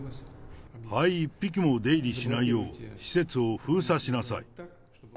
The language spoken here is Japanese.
ハエ一匹も出入りしないよう施設を封鎖しなさい。